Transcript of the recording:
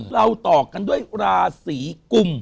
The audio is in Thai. เราต่อกันด้วยราศีกุม